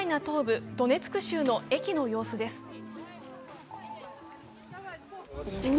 東部ドネツク州の駅の様子です。